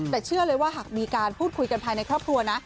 แต่เชื่อเลยว่าหากมีการพูดคุยกันภายในครอบครัวนะ